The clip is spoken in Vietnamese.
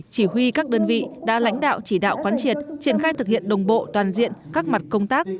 chỉ huy các đơn vị đã lãnh đạo chỉ đạo quán triệt triển khai thực hiện đồng bộ toàn diện các mặt công tác